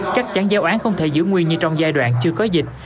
chắc chắn giáo án không thể giữ nguyên như trong giai đoạn chưa có dịch